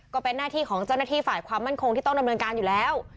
ก็เป็นหน้าที่ของเจ้าหน้าที่ฝ่ายความมั่นคงที่ต้องดำเนินการอยู่แล้ว